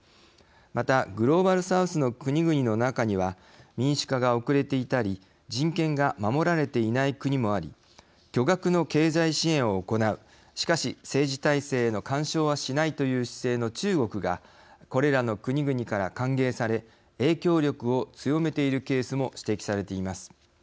また、グローバル・サウスの国々の中には民主化が遅れていたり人権が守られていない国もあり巨額の経済支援を行うしかし政治体制への干渉はしないという姿勢の中国がこれらの国々から歓迎され影響力を強めているケースも指摘されています。